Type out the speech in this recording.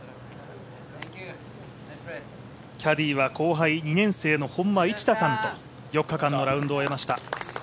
キャディーは後輩２年生の本間一太さんと４日間のラウンドを終えました。